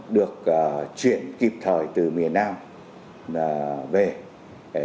được chuyển kịp thời từ miền nam về